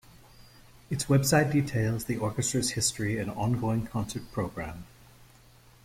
Its website details the orchestra's history and ongoing concert programme.